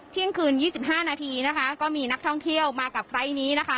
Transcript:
เที่ยงคืน๒๕นาทีนะคะก็มีนักท่องเที่ยวมากับไฟล์ทนี้นะคะ